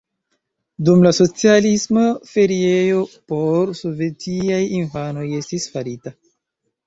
Dum la socialismo feriejo por sovetiaj infanoj estis farita.